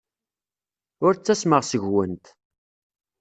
Ur ttasmeɣ seg-went.